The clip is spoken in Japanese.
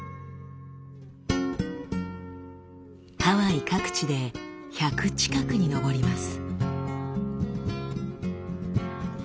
ハワイ各地で１００近くに上ります。